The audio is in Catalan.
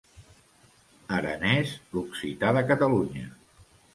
"Aranès, l'occità de Catalunya"